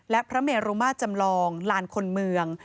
และพระเมรุมาจำลองลานคนเมือง